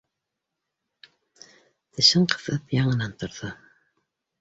Тешен ҡыҫып яңынан торҙо.